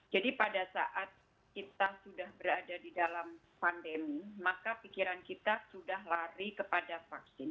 jadi pada saat kita sudah berada di dalam pandemi maka pikiran kita sudah lari kepada vaksin